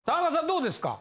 どうですか？